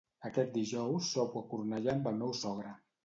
Aquest dijous sopo a Cornellà amb el meu sogre.